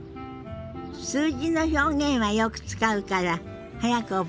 数字の表現はよく使うから早く覚えたいわよね。